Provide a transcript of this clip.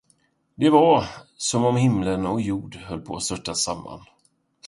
Det var, som om himmel och jord höll på att störta samman.